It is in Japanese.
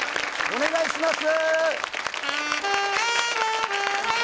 お願いします